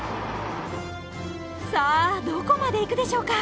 さあどこまで行くでしょうか。